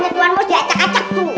tuan bos diacak acak tuh